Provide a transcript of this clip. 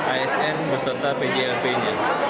asn beserta pjlp nya